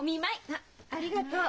あっありがとう。